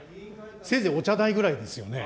せいぜい、お茶代ぐらいですよね。